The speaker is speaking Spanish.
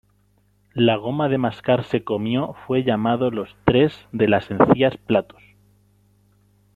La goma de mascar se comió fue llamado los "tres de las encías platos".